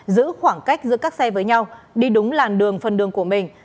giữ khoảng cách giữa các xe với nhau đi đúng làn đường phần đường của mình